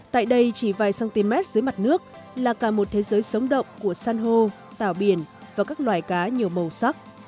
tại đây chỉ vài cm dưới mặt nước là cả một thế giới sống động của san hô tàu biển và các loài cá nhiều màu sắc